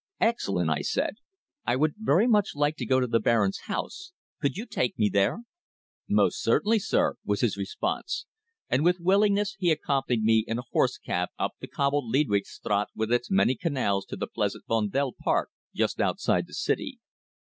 "Excellent," I said. "I would very much like to go to the Baron's house. Could you take me there?" "Most certainly, sir," was his response, and with willingness he accompanied me in a horse cab up the cobbled Leidwche Straat with its many canals to the pleasant Vondel Park, just outside the city.